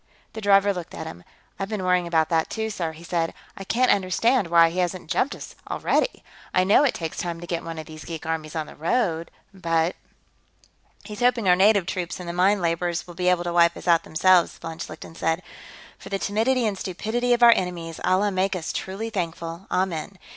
The driver looked at him. "I've been worrying about that, too, sir," he said. "I can't understand why he hasn't jumped us, already. I know it takes time to get one of these geek armies on the road, but...." "He's hoping our native troops and the mine laborers will be able to wipe us out, themselves," von Schlichten said. "For the timidity and stupidity of our enemies, Allah make us truly thankful, amen.